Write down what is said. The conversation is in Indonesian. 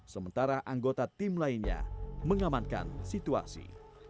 sementara anggota tim lainnya mengamankan situasi